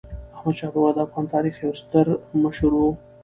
احمدشاه بابا د افغان تاریخ یو ستر مشر و.